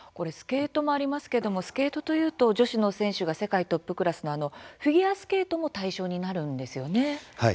スケートもありますけどもスケートというと女子の選手が世界トップクラスのフィギュアスケートも対象になるんですよね？